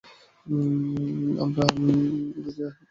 আমরা কি সেই পর্যায়েও নেই?